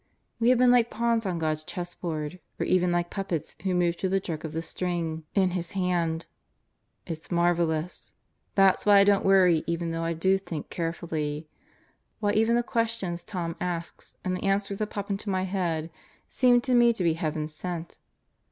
We have been like pawns on God's chess board, or even like puppets who move to the jerk of the string 32 God Goes to Murderer's Row in His hand. It's marvelous. That's why I don't worry even though I do think carefully. Why even the questions Tom asks and the answers that pop into my head seem to me to be heaven sent.